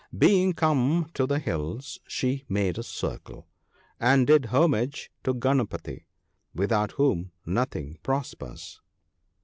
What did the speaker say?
Being come to the hills, she made a circle, and did homage to Gunputtee ('"), without whom nothing prospers.